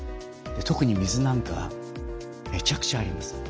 特に水なんかめちゃくちゃあります。